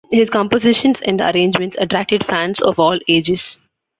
His compositions and arrangements attracted fans of all ages.